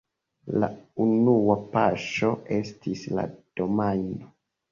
La unua paŝo estis la domajno.